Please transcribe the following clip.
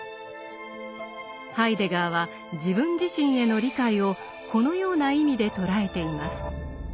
ハイデガーは自分自身への「理解」をこのような意味で捉えています。